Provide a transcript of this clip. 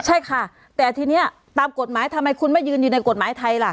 ใช่ค่ะแต่ทีนี้ตามกฎหมายทำไมคุณไม่ยืนอยู่ในกฎหมายไทยล่ะ